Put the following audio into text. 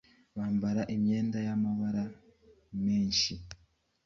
bambara imyenda y’amabara menshi